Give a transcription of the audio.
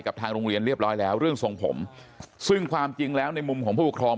ทางโรงเรียนเรียบร้อยแล้วเรื่องทรงผมซึ่งความจริงแล้วในมุมของผู้ปกครอง